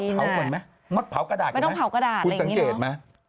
คุณสังเกตไหม